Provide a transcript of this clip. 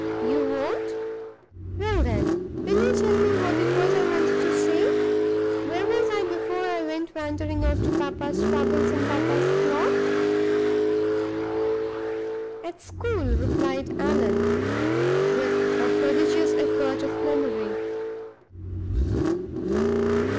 You won't? Well, then, will you tell me what it was I wanted to say? Where was I before I went wandering off to papa's troubles and papa's clock?" "At school!" replied Allan, with a prodigious effort of memory.